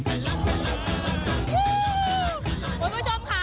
เฮ่ยทุกคนค่ะ